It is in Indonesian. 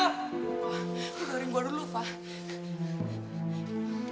keluarin gua dulu fah